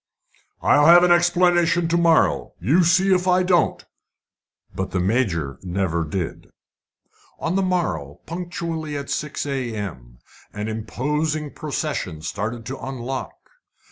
"I'll have an explanation to morrow! you see if I don't!" But the Major never did. On the morrow, punctually at 6 a.m., an imposing procession started to unlock.